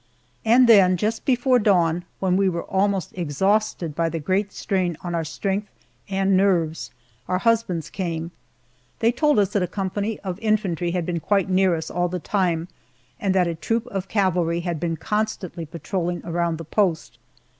And then, just before dawn, when we were almost exhausted by the great strain on our strength and nerves, our husbands came. They told us that a company of infantry had been quite near us all the time, and that a troop of cavalry had been constantly patrolling around the post.